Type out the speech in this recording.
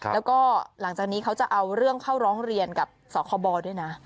แล้วก็หลังจากนี้เขาจะเอาเรื่องเข้าร้องเรียนกับสคบด้วยนะ